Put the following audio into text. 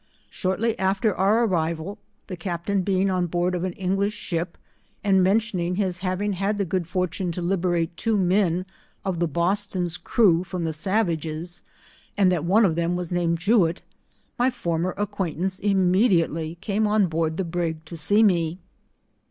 Shortly after our arrival, the captain being on board of an English ship, and mentioning his having had the good fortune to liberate two men of the Boston's crew from the savages, and that one of them was named Jewitt, ray former acquaintance immediately came on board the brig to see me.